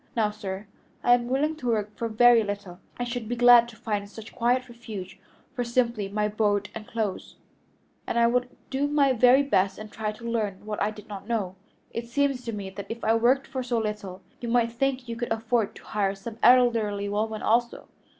Now, sir, I am willing to work for very little; I should be glad to find such a quiet refuge for simply my board and clothes, and I would do my very best and try to learn what I did not know. It seems to me that if I worked for so little you might think you could afford to hire some elderly woman also?"